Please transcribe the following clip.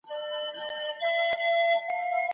د باطل په لاره پیسې مه مصرفوئ.